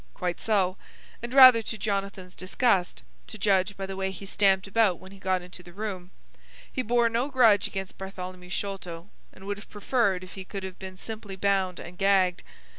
"Quite so. And rather to Jonathan's disgust, to judge by the way he stamped about when he got into the room. He bore no grudge against Bartholomew Sholto, and would have preferred if he could have been simply bound and gagged.